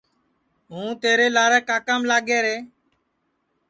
ہوں تیرے لارے کاکام لاگے رے